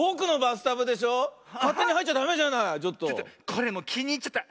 これもうきにいっちゃった。